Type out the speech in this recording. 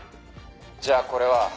「じゃあこれは？」